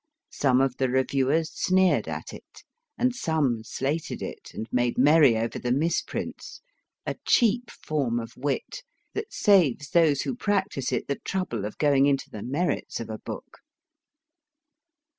Some of the reviewers sneered at it, and some * slated it, and made merry over the misprints a cheap form of wit that saves those who practise it the trouble of going into the merits of a book.